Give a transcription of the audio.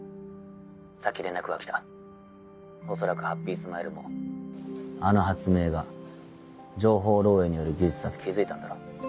さっき連絡が来た恐らくハッピースマイルもあの発明が情報漏洩による技術だと気付いたんだろう。